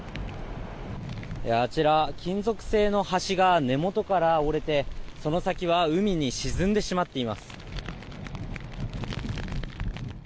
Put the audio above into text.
あちら、金属製の橋が根元から折れてその先は海に沈んでしまっています。